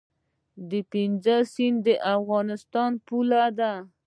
د پنج سیند د افغانستان پوله ده